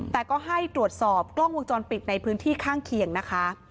แต่ก็ให้ตรวจสอบกล้องวงจรปิดในพื้นที่ข้างเคียงนะคะ